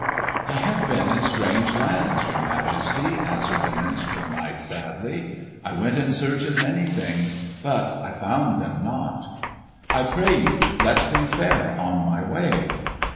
"I have been in strange lands, your Majesty," answered the minstrel knight sadly. "I went in search of many things, but I found them not. I pray you let me fare on my way."